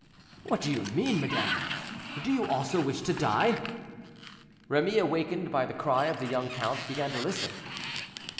"What do you mean, madame? do you also wish to die?" Remy, awakened by the cry of the young count, began to listen.